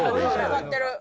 「使ってる」